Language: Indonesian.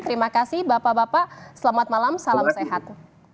terima kasih bapak bapak selamat malam salam sehat